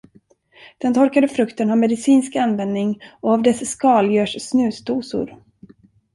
Den torkade frukten har medicinsk användning, och av dess skal görs snusdosor.